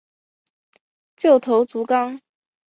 旧头足纲